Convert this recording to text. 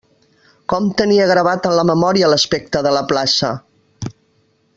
Com tenia gravat en la memòria l'aspecte de la plaça!